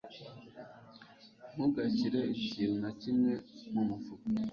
Ntugashyire ikintu na kimwe mumufuka.